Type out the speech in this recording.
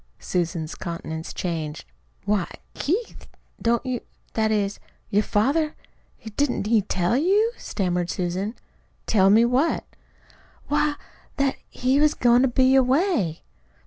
Susan's countenance changed. "Why, Keith, don't you that is, your father Didn't he tell you?" stammered Susan. "Tell me what?" "Why, that that he was goin' to be away."